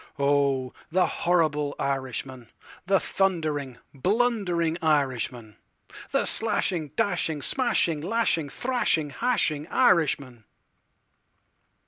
Oh, the horrible Irishman, The thundering, blundering Irishman—The slashing, dashing, smashing, lashing, thrashing, hashing Irishman.